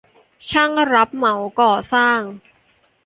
ช่างรับเหมาก่อสร้าง